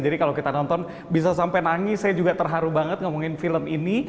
jadi kalau kita nonton bisa sampai nangis saya juga terharu banget ngomongin film ini